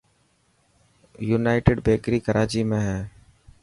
يونائٽڊ بيڪري ڪراچي ۾ هي.